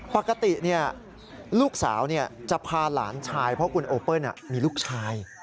ปกติลูกสาวจะพาหลานชายเพราะคุณโอเปิ้ลมีลูกชาย